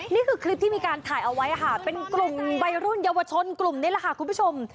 นี่คือคลิปที่มีการถ่ายเอาไว้ค่ะเป็นกลุ่มวัยรุ่นเยาวชนกลุ่มนี้แหละค่ะคุณผู้ชม